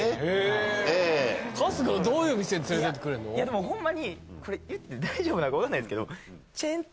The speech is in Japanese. でもホンマにこれ言って大丈夫なのか分かんないですけど。